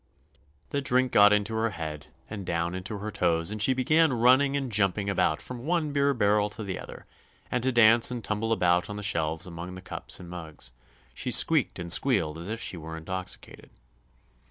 The drink got into her head and down into her toes and she began running and jumping about from one beer barrel to the other, and to dance and tumble about on the shelves among the cups and mugs; she squeaked and squealed as if she were intoxicated.